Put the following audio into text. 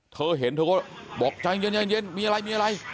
เธอเห็นเธอก็บอกใจเย็นมีอะไรมีอะไร